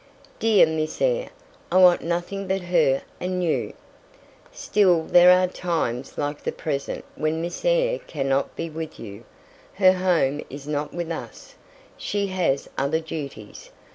"Dear Miss Eyre, I want nothing but her and you." "Still there are times like the present when Miss Eyre cannot be with you; her home is not with us; she has other duties.